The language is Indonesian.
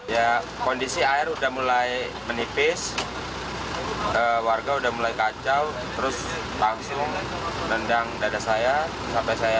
ya kondisi air sudah mulai menipis warga udah mulai kacau terus langsung nendang dada saya sampai saya